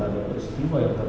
ya nanti saudara jelaskan